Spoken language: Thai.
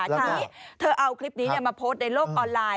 ทีนี้เธอเอาคลิปนี้มาโพสต์ในโลกออนไลน์